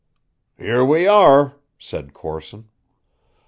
"Here we are," said Corson.